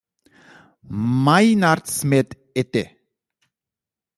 Maynard Smith et.